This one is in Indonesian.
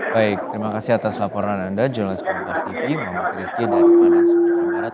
baik terima kasih atas laporan anda jurnalist komunikasi tv muhammad rizky dan kepada subianto marat